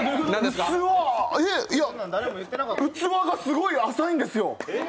器がすごい浅いんですよ。